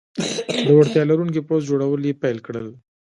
د وړتیا لرونکي پوځ جوړول یې پیل کړل.